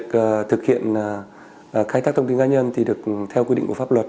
việc thực hiện khai thác thông tin cá nhân thì được theo quy định của pháp luật